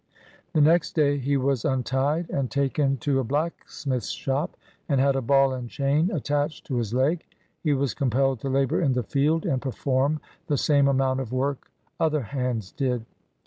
The next day, he was untied, and taken to 10 BIOGRAPHY OF a blacksmith's shop, and had a ball and chain attached to his leg. He was compelled to labor in the field, and perform the same amount of work other hands did.